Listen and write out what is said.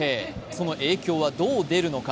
その影響はどう出るのか。